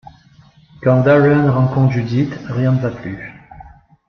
Quand Darren rencontre Judith, rien ne va plus.